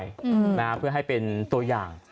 อืมนะฮะเพื่อให้เป็นตัวอย่าง